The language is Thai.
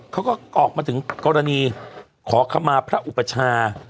เขาก็ออกมาถึงกรณีขอขมาพระอุปชา